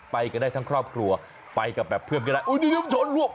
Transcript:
ไปกันได้ทั้งครอบครัวไปกับแบบเพื่อจะได้อุ้ยน้ำชนรวบ